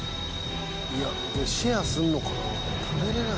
これシェアするのかな？